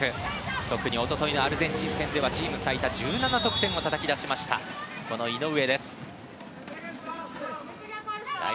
特に一昨日のアルゼンチン戦ではチーム最多の１７得点をたたき出した井上。